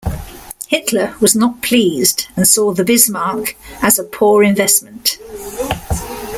Hitler was not pleased and saw the Bismarck as a poor investment.